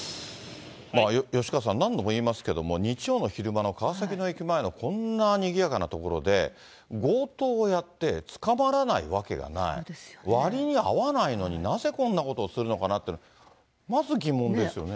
吉川さん、何度も言いますけど、日曜の昼間の川崎の駅前のこんなにぎやかな所で、強盗をやって捕まらないわけがない、割に合わないのに、なぜこんなことをするのかなって、まず疑問ですよね。